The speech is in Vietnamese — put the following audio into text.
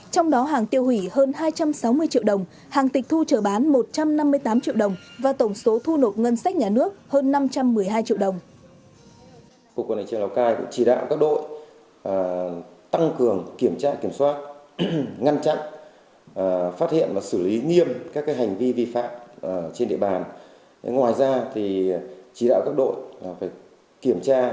trong đó hàng tiêu hủy hơn hai trăm sáu mươi triệu đồng hàng tịch thu trở bán một trăm năm mươi triệu đồng